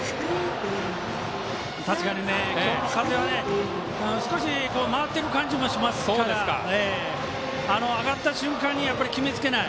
確かに今日の風は少し回ってる感じもしますから上がった瞬間に決めつけない。